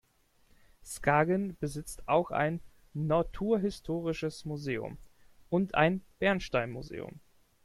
Skagen besitzt auch ein "Naturhistorisches Museum" und ein Bernsteinmuseum.